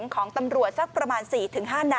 ของตำรวจสักประมาณ๔๕นัด